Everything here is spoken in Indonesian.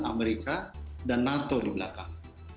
amerika dan nato di belakang